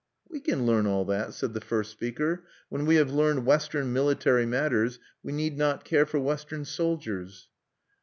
"We can learn all that," said the first speaker. "When we have learned Western military matters, we need not care for Western soldiers."